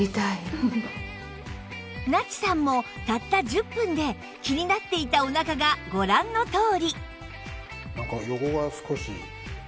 那智さんもたった１０分で気になっていたおなかがご覧のとおり